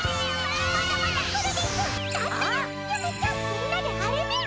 みんなであれみゃ！